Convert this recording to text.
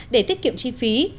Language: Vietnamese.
để tiết kiệm chi phí